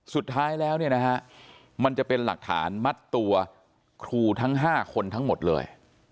สุดท้ายแล้วเนี่ยนะฮะมันจะเป็นหลักฐานมัดตัวครูทั้ง๕คนทั้งหมดเลย